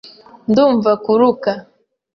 Ndumva kuruka .